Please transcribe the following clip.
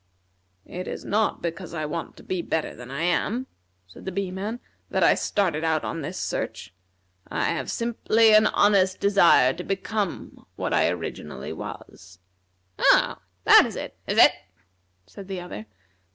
"It is not because I want to be better than I am," said the Bee man, "that I started out on this search. I have simply an honest desire to become what I originally was." "Oh! that is it, is it?" said the other.